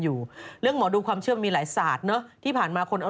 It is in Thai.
โอลี่คัมรี่ยากที่ใครจะตามทันโอลี่คัมรี่ยากที่ใครจะตามทัน